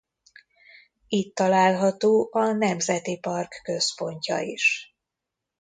Itt található a nemzeti park központja is.